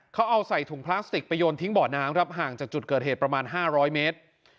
เขาเอาใส่ถุงพลาสติกไปโยนทิ้งบ่อน้ำครับห่างจากจุดเกิดเหตุประมาณ๕๐๐เมตร